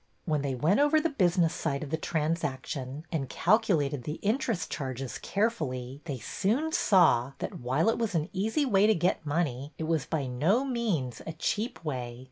When they went over the business side of the transaction, and calculated the interest charges carefully, they soon saw that, while it was an easy way to get money, it was by no means a cheap way.